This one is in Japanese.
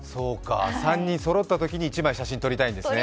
３人そろったときに１枚写真を撮りたいんですね。